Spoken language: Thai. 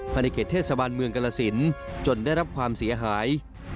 ในเขตเทศบาลเมืองกรสินจนได้รับความเสียหาย